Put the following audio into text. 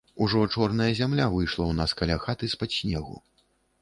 Ужо чорная зямля выйшла ў нас каля хаты з-пад снегу.